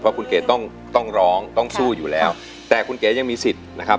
คุณเก๋ต้องต้องร้องต้องสู้อยู่แล้วแต่คุณเก๋ยังมีสิทธิ์นะครับ